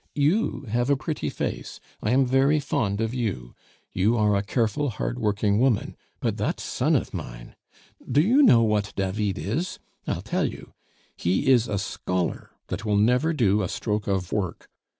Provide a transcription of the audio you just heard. ... You have a pretty face; I am very fond of you; you are a careful, hard working woman; but that son of mine! Do you know what David is? I'll tell you he is a scholar that will never do a stroke of work!